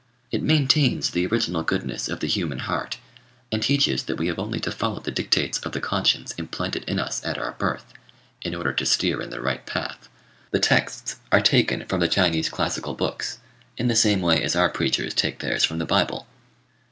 It maintains the original goodness of the human heart; and teaches that we have only to follow the dictates of the conscience implanted in us at our birth, in order to steer in the right path. The texts are taken from the Chinese classical books, in the same way as our preachers take theirs from the Bible.